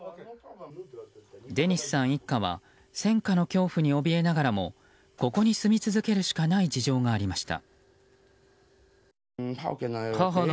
デニスさん一家は戦火の恐怖におびえながらもここに住み続けるしかない事情がありました。